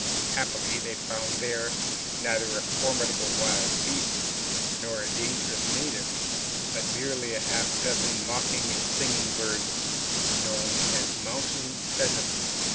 Happily, they found there, neither a formidable wild beast nor a dangerous native, but merely half a dozen mocking and singing birds, known as mountain pheasants.